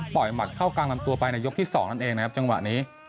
หมัดเข้ากลางลำตัวไปในยกที่๒นั่นเองนะครับจังหวะนี้